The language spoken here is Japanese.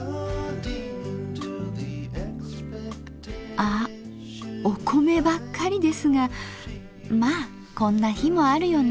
あっお米ばっかりですがまあこんな日もあるよね。